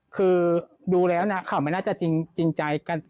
คือดูแล้วนะข่าวไม่น่าจะจริงใจกัน